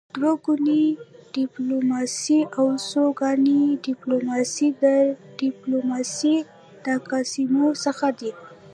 دوه ګوني ډيپلوماسي او څوګوني ډيپلوماسي د ډيپلوماسی د اقسامو څخه دي.